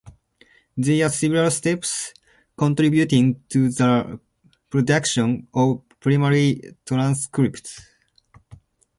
There are several steps contributing to the production of primary transcripts.